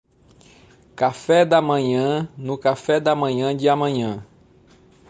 Café da manhã no café da manhã de amanhã